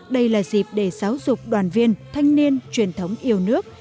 đây là dịp để giáo dục đoàn viên thanh niên truyền thống yêu nước